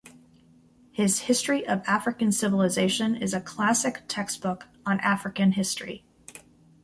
His "History of African Civilization" is a classic textbook on African history.